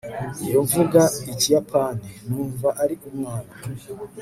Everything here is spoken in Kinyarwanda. iyo mvuga ikiyapani, numva ari umwana